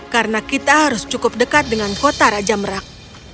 karena kita harus cukup dekat dengan kota raja merak